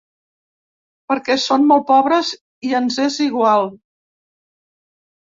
Perquè són molt pobres i ens és igual.